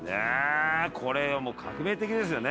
これ革命的ですよね